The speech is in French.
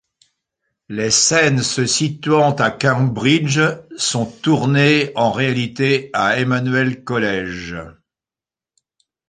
Les scènes se situant à Cambridge sont tournées en réalité à Emmanuel College.